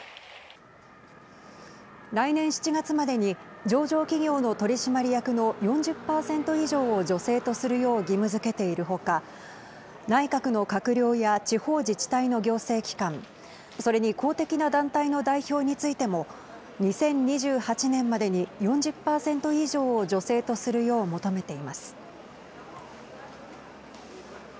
来年７月までに上場企業の取締役の４０％以上を女性とするよう義務づけている他内閣の閣僚や地方自治体の行政機関それに公的な団体の代表についても２０２８年までに４０％以上を女性とするよう求めています。